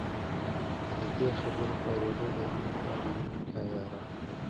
د دې خبرې په اورېدو د مينې په اننګو کې حيا راغله.